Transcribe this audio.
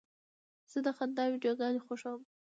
زه د خندا ویډیوګانې خوښوم.